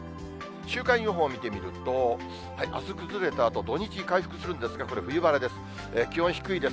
週間予報見てみると、あす崩れたあと、土日、回復するんですが、これ、冬晴れです。